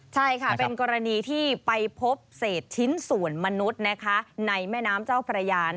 ใช่ค่ะเป็นกรณีที่ไปพบเศษชิ้นส่วนมนุษย์ในแม่น้ำเจ้าพระยา